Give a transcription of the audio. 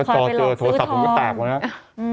ไปหลอกซื้อทองถ้าจอเจอโทรศัพท์ผมก็ตากกว่านั้นนะ